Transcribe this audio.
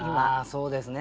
そうですね